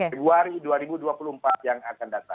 februari dua ribu dua puluh empat yang akan datang